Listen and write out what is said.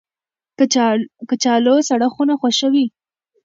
کچالو سړه خونه خوښوي